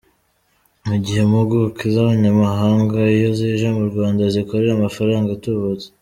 Mu gihe impuguke z’abanyamahanga iyo zije mu Rwanda zikorera amafaranga atubutse.